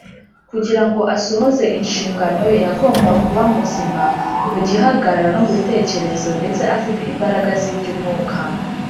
. Kugira ngo asohoze inshingano ye, yagombaga kuba muzima mu gihagararo, no mu bitekerezo ndetse afite imbaraga z’iby’umwuka.